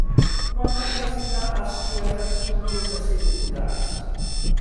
Quan van designar els xuetes un grup de sis diputats?